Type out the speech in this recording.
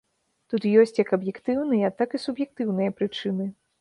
Тут ёсць як аб'ектыўныя, так і суб'ектыўныя прычыны.